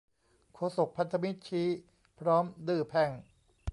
โฆษกพันธมิตรชี้ พร้อมดื้อแพ่ง